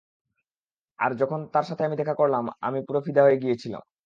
আর যখন তার সাথে আমি দেখা করলাম আমি পুরো ফিদা হয়ে গিয়েছিলাম।